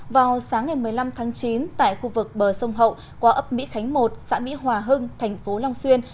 vào sáng ngày một mươi năm tháng chín tại khu vực bờ sông hậu qua ấp mỹ khánh một xã mỹ hòa hưng thành phố long xuyên